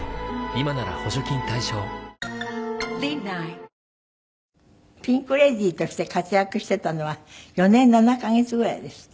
東京海上日動ピンク・レディーとして活躍してたのは４年７カ月ぐらいですって？